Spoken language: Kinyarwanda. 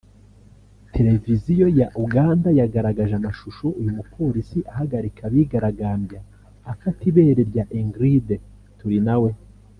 televiziyo ya Uganda yagaragaje amashusho uyu mupolisi ahagarika abigaragambya afata ibere rya Ingrid Turinawe